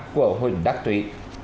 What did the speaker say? của huỳnh đắc túy